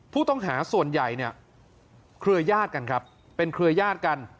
ผู้ต้องหาส่วนใหญ่เนี่ยเครือยาศกันครับเป็นเครือญาติกัน